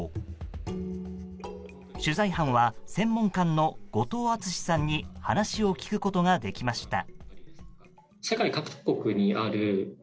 取材班は専門官の後藤淳史さんに話を聞くことができました。